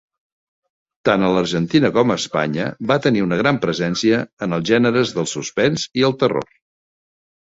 Tant a l'Argentina com a Espanya, va tenir una gran presència en els gèneres del suspens i el terror.